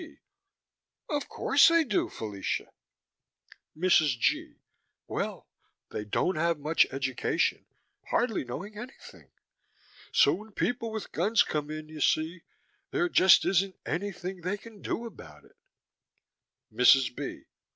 B.: Of course they do, Fellacia. MRS. G.: Well. They don't have much education, hardly know anything. So when people with guns come in, you see, there just isn't anything they can do about it. MRS. B.